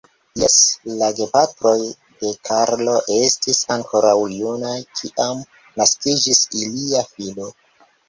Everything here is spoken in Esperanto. Jes, la gepatroj de Karlo, estis ankoraŭ junaj, kiam naskiĝis ilia filo.